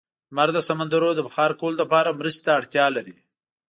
لمر د سمندرونو د بخار کولو لپاره مرستې ته اړتیا لري.